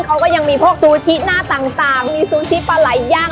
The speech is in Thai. เขาก็ยังมีพวกซูชิหน้าต่างมีซูชิปลาไหลย่าง